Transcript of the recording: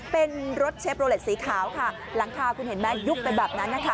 เป็นรถเชฟโลเล็ตสีขาวค่ะหลังคาคุณเห็นไหมยุบไปแบบนั้นนะคะ